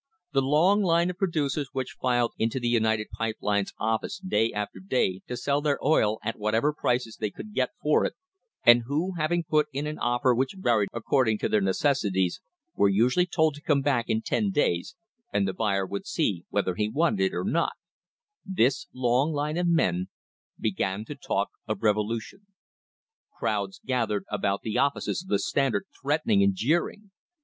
The long line of producers who filed into the United Pipe Lines' office day after day to sell their oil at whatever prices they could get for it, and who, having put in an offer which varied accord ing to their necessities, were usually told to come back in ten days, and the buyer would see whether he wanted it or not — this long line of men began to talk of revolution. Crowds gath ered about the offices of the Standard threatening and jeering.